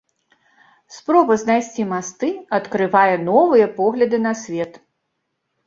Спроба знайсці масты адкрывае новыя погляды на свет.